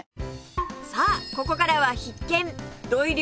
さあここからは必見！